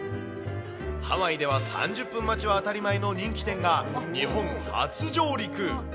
ハワイでは３０分待ちは当たり前の人気店が、日本初上陸。